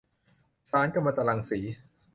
สารกัมมันตรังสี